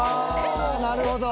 なるほど。